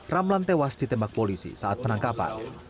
ramlan tewas ditembak polisi saat penangkapan